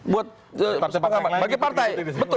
buat sebagai partai